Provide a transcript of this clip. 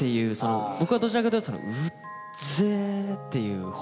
僕はどちらかというとウッゼえていう方。